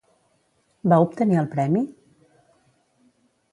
Va obtenir el premi?